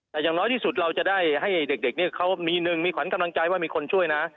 แต่อย่างน้อยที่สุดเราจะได้ให้เด็กนี่เขามีหนึ่งมีขวัญกำลังใจว่ามีคนช่วยนะ